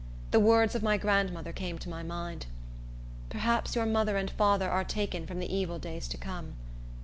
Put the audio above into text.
The words of my grandmother came to my mind,—"Perhaps your mother and father are taken from the evil days to come."